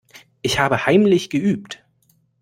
Ich habe heimlich geübt.